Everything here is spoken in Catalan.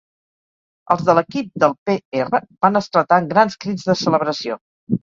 Els de l'equip del Pe Erra van esclatar en grans crits de celebració.